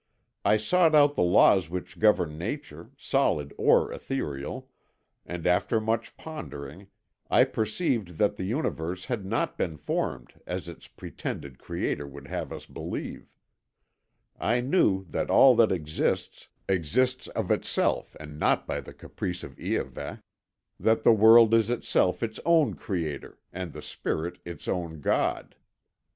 I sought out the laws which govern nature, solid or ethereal, and after much pondering I perceived that the Universe had not been formed as its pretended Creator would have us believe; I knew that all that exists, exists of itself and not by the caprice of Iahveh; that the world is itself its own creator and the spirit its own God.